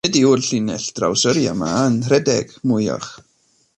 Nid yw'r llinell drawsyrru yma'n rhedeg mwyach.